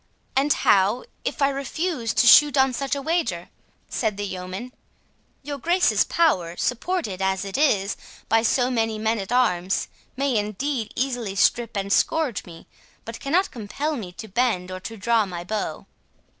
"And how if I refuse to shoot on such a wager?" said the yeoman.—"Your Grace's power, supported, as it is, by so many men at arms, may indeed easily strip and scourge me, but cannot compel me to bend or to draw my bow."